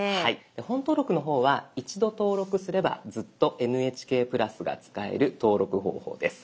「本登録」の方は一度登録すればずっと「ＮＨＫプラス」が使える登録方法です。